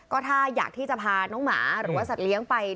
ก็ถ้าอยากที่จะพาน้องหมาหรือว่าสัตว์เลี้ยงไป